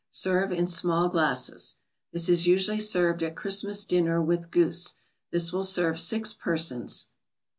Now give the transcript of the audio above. Serve in small glasses. This is usually served at Christmas dinner with goose. This will serve six persons.